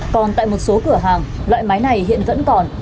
còn tại một số cửa hàng loại máy này hiện vẫn còn